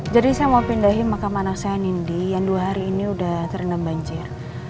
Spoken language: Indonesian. jadi saya mau pindahin makam anak saya nindi yang dua hari ini udah terendam banjir